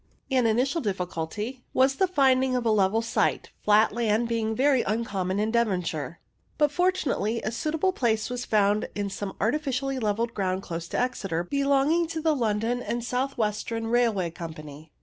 I40 CLOUD ALTITUDES An initial difficulty was the finding of a level site, flat land being very uncommon in Devonshire, but fortunately a suitable place was found in some artificially levelled ground close to Exeter, belonging to the London and South Western Railway Com pany.